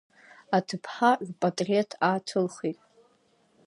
Аҭыԥҳа рпатреҭ ааҭылхит.